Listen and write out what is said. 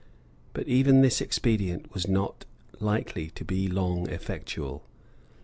But even this expedient was not likely to be long effectual.